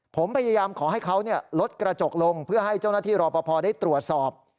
ผมพยายามขอให้เขาลดกระจกลงเพื่อให้เจ้าหน้าที่รอปภได้ตรวจสอบ